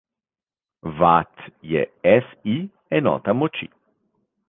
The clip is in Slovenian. Watt je SI enota moči.